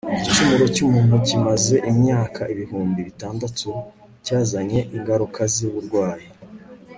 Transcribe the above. igicumuro cy'umuntu kimaze imyaka ibihumbi bitandatu cyazanye ingaruka z'uburwayi